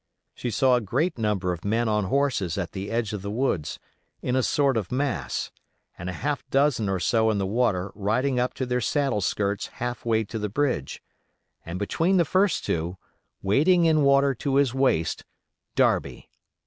She saw a great number of men on horses at the edge of the woods, in a sort of mass; and a half dozen or so in the water riding up to their saddle skirts half way to the bridge, and between the first two, wading in water to his waist, Darby.